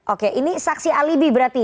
oke ini saksi alibi berarti